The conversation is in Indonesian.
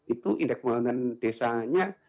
itu indeks pembangunan desanya